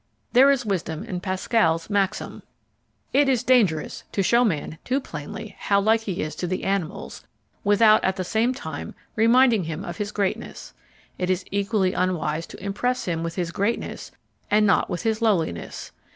There is wisdom in Pascal's maxim: It is dangerous to show man too plainly how like he is to the animals, without, at the same time, reminding him of his greatness. It is equally unwise to impress him with his greatness and not with his lowliness.